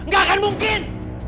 gak akan mungkin